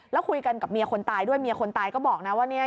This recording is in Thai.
แล้วคุยกันกับเมียคนตายด้วยเมียคนตายก็บอกนะว่าเนี่ย